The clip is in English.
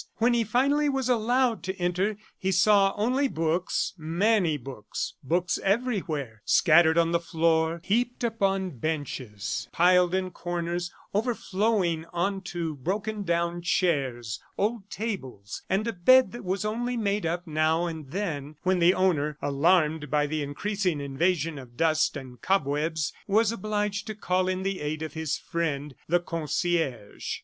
When he finally was allowed to enter he saw only books, many books, books everywhere scattered on the floor, heaped upon benches, piled in corners, overflowing on to broken down chairs, old tables, and a bed that was only made up now and then when the owner, alarmed by the increasing invasion of dust and cobwebs, was obliged to call in the aid of his friend, the concierge.